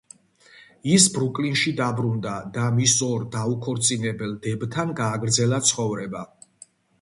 ის ბრუკლინში დაბრუნდა და მის ორ დაუქორწინებელ დებთან გააგრძელა ცხოვრება.